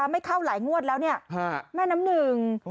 ไม่เข้าหลายงวดแล้วเนี่ยแม่น้ำหนึ่ง